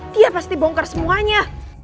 dia pasti bongkar semuanya